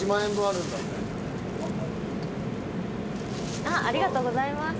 ありがとうございます。